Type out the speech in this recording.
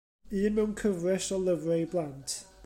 Un mewn cyfres o lyfrau i blant.